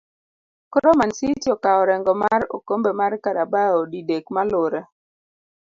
koro Mancity okao orengo mar okombe mar Carabao didek maluree